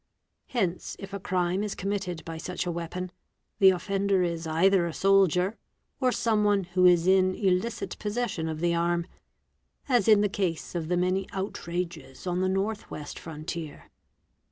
Hence if a crime is committed by such a weapon, the offender is either a soldier, or someone who is in illicit possession of the arm—as in the case of the many outrages on the North West Frontier.